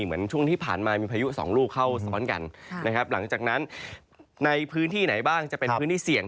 เหมือนช่วงที่ผ่านมามีพายุสองลูกเข้าซ้อนกันนะครับหลังจากนั้นในพื้นที่ไหนบ้างจะเป็นพื้นที่เสี่ยง